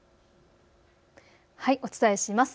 お伝えします。